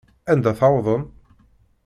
Anda tewḍem?